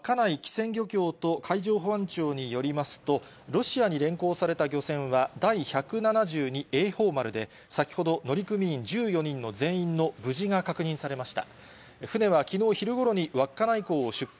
きせん漁協と海上保安庁によりますと、ロシアに連行された漁船は、第１７２えいほう丸で、先ほど乗組員１４人の全員の無事が確認されました。